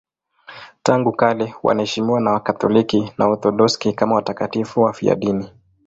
Tangu kale wanaheshimiwa na Wakatoliki na Waorthodoksi kama watakatifu wafiadini.